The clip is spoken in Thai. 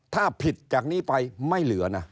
ถ้าผิดจากนี้ไปไม่เหลือนะ